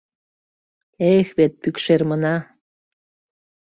Эх, вет, Пӱкшермына